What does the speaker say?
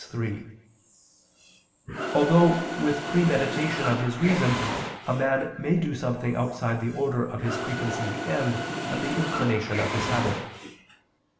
iii); although with premeditation of his reason a man may do something outside the order of his preconceived end and the inclination of his habit.